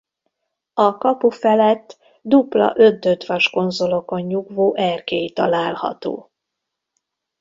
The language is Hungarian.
A kapu felett dupla öntöttvas konzolokon nyugvó erkély található.